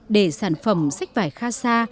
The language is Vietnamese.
để sản phẩm sách vải khasa